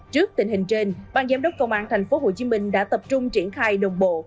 trước tình hình trên ban giám đốc công an tp hcm đã tập trung triển khai đồng bộ